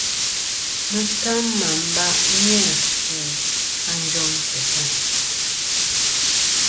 Mɨtam mɨ amba ni-a vfɨ a njoŋ igvɨyn.